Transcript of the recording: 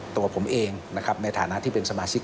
ตัวผมเองนะครับในฐานะที่เป็นสมาชิก